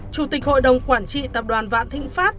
chủ tịch hội đồng quản trị tập đoàn vạn thịnh pháp